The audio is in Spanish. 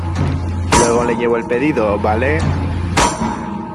luego le llevo el pedido, ¿ vale?